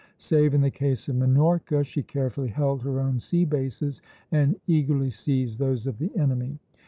Save in the case of Minorca, she carefully held her own sea bases and eagerly seized those of the enemy.